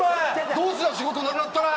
どうすんだ仕事なくなったら！